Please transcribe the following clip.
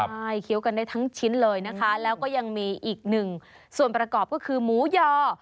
ใช่เคี้ยวกันได้ทั้งชิ้นเลยนะคะแล้วก็ยังมีอีกหนึ่งส่วนประกอบก็คือหมูยอ